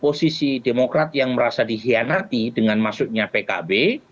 posisi demokrat yang merasa dihianati dengan masuknya pkb